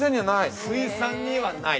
◆水産にはない？